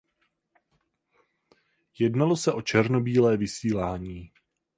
Jednalo se o černobílé vysílání.